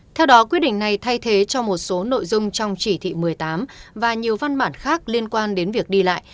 theo đó quyết định này thay thế cho một số nội dung trong chỉ thị một mươi tám và nhiều văn bản khác liên quan đến việc đi lại